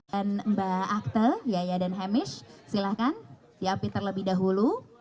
dan mbak akte yaya dan hamish silahkan diapi terlebih dahulu